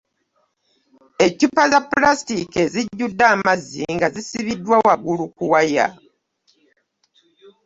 Eccupa za pulasitiika ezijjudde amazzi nga zisibiddwa waggulu ku waya.